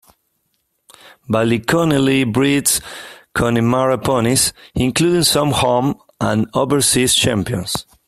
Ballyconneely breeds Connemara ponies, including some home and overseas champions.